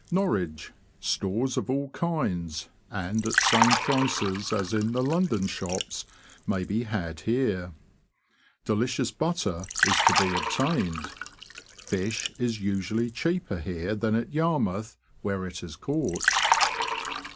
Norwich. — Stores of all kinds, and at same prices as in the London shops, may be had here. Delicious butter is to be obtained. Fish is usually cheaper here than at Yarmouth, where it is caught.